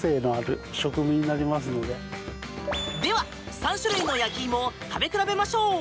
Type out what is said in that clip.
３種類の焼き芋を食べ比べましょう！